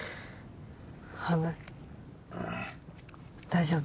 大丈夫？